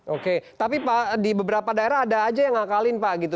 oke tapi pak di beberapa daerah ada aja yang ngakalin pak gitu